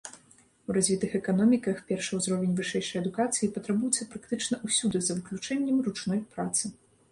У развітых эканоміках першы ўзровень вышэйшай адукацыі патрабуецца практычна ўсюды за выключэннем ручной працы.